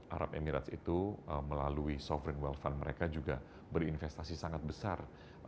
arab emirates itu melalui sovereig well fund mereka juga berinvestasi sangat besar